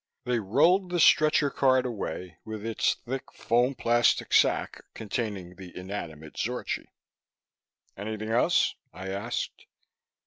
They rolled the stretcher cart away, with its thick foam plastic sack containing the inanimate Zorchi. "Anything else?" I asked.